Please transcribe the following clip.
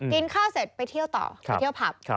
กินข้าวเสร็จไปเที่ยวต่อไปเที่ยวผับ